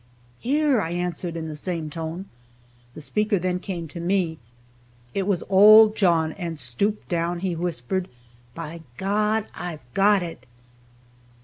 "Here!" I answered, in the same tone. The speaker then came to me, it was old John, and stooping down, he whispered, "By God, I've got it!"